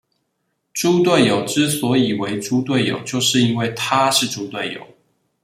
豬隊友之所以為豬隊友，就是因為他是豬隊友